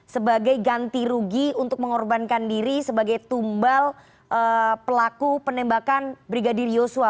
sebagai ganti rugi untuk mengorbankan diri sebagai tumbal pelaku penembakan brigadir yosua